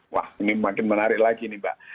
wah ini makin menarik lagi nih mbak